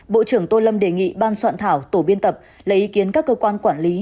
bộ trưởng tô lâm đề nghị ban soạn thảo tổ biên tập lấy ý kiến các cơ quan quản lý